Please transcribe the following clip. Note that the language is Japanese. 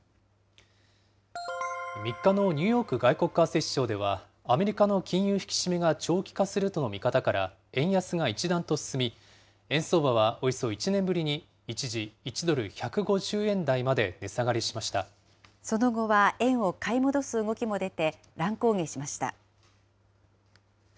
３日のニューヨーク外国為替市場では、アメリカの金融引き締めが長期化するとの見方から、円安が一段と進み、円相場はおよそ１年ぶりに一時１ドル１５０円台まで値下がりしまその後は円を買い戻す動きも出て、乱高下しました。